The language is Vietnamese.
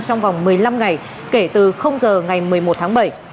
trong vòng một mươi năm ngày kể từ giờ ngày một mươi một tháng bảy